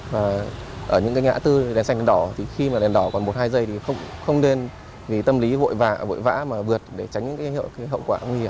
và ở những cái ngã tư đèn xanh đỏ thì khi mà đèn đỏ còn một hai giây thì không nên vì tâm lý vội vã mà vượt để tránh những cái hậu quả nguy hiểm